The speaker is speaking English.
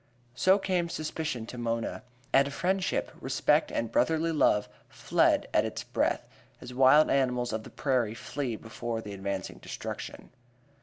So came suspicion to Mona. And friendship, respect and brotherly love fled at its breath, as wild animals of the prairie flee before the advancing destruction.